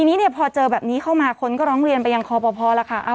ทีนี้เนี่ยพอเจอแบบนี้เข้ามาคนก็ร้องเรียนไปยังคอปภแล้วค่ะ